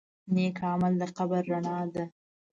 نیک عمل د قبر رڼا ده.